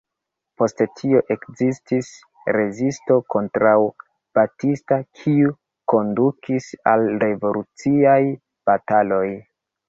Post tio ekestis rezisto kontraŭ Batista, kiu kondukis al revoluciaj bataloj.